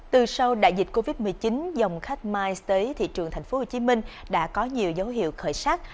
từ sau đại dịch covid một mươi chín dòng khách miles tới thị trường tp hcm đã có nhiều dấu hiệu khởi sát